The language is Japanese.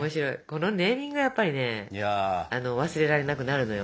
このネーミングがやっぱりね忘れられなくなるのよ。